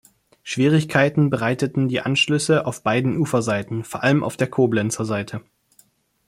Schwierigkeiten bereiteten die Anschlüsse auf beiden Uferseiten, vor allem auf der Koblenzer Seite.